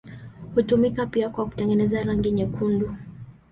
Hutumika pia kwa kutengeneza rangi nyekundu.